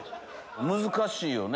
難しいよね。